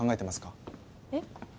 えっ？